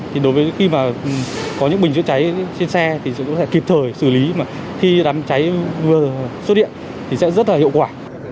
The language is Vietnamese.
thì đối với khi mà có những bình chữa cháy trên xe thì có thể kịp thời xử lý mà khi đám cháy vừa xuất hiện thì sẽ rất là hiệu quả